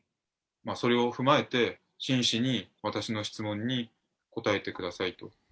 それを踏まえて、真摯に私の質問に答えてくださいと。